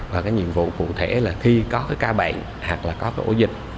và cái nhiệm vụ cụ thể là khi có cái ca bệnh hoặc là có cái ổ dịch